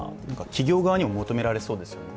企業側にも求められそうですよね。